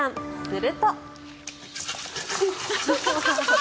すると。